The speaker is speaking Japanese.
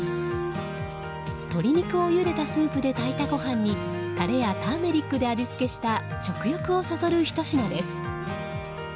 鶏肉をゆでたスープで炊いたご飯にタレやターメリックで味付けした食欲をそそるひと品です。